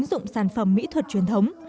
các ứng dụng sản phẩm mỹ thuật truyền thống